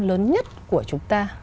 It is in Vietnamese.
lớn nhất của chúng ta